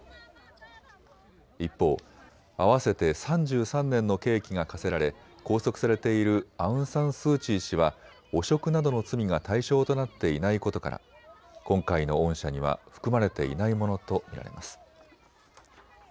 一方、合わせて３３年の刑期が科せられ拘束されているアウン・サン・スー・チー氏は汚職などの罪が対象となっていないことから今回の恩赦には含まれていないものと見られます。